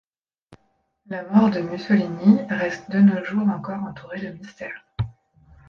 La mort de Mussolini reste de nos jours encore entourée de mystères.